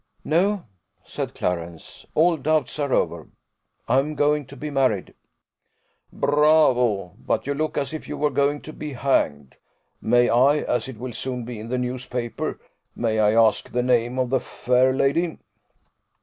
"No," said Clarence; "all doubts are over I am going to be married." "Bravo! But you look as if you were going to be hanged. May I, as it will so soon be in the newspaper, may I ask the name of the fair lady?"